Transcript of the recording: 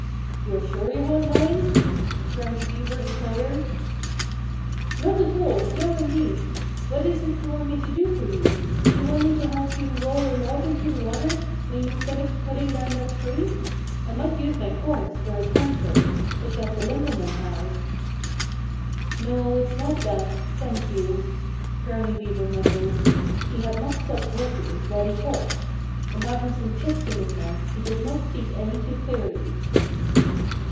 "You're sure you won't mind!" Brownie Beaver inquired. "Not at all! No, indeed! What is it you want me to do for you? Do you want me to help you roll a log into the water, when you've finished cutting down that tree? I might use my horns for a cant hook, such as the lumbermen have." "No! It's not that thank you!" Brownie Beaver mumbled. He had not stopped working, while he talked. And having some chips in his mouth he did not speak any too clearly.